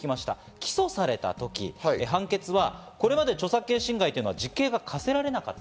起訴されたとき、判決はこれまで著作権侵害というのは実刑が課せられなかった。